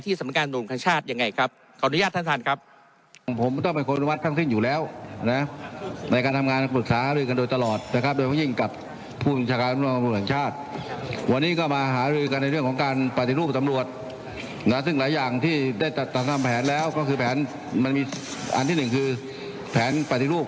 ที่สำนักงานประบาดการชาติอย่างไรครับ